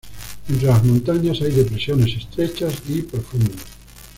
Entre las montañas hay depresiones estrechas y profundas.